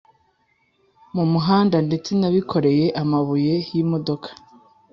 Mumuhanda ndetse nabikoreye amabuye yimodoka